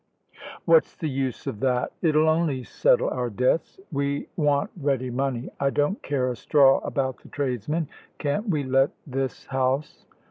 "What's the use of that? It'll only settle our debts. We want ready money. I don't care a straw about the tradesmen. Can't we let this house?"